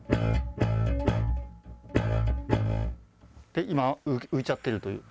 手今浮いちゃってるという。